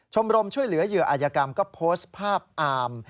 ชมรมช่วยเหลือเหยื่ออายกรรมก็โพสต์ภาพอาม